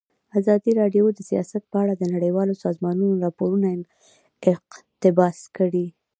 ازادي راډیو د سیاست په اړه د نړیوالو سازمانونو راپورونه اقتباس کړي.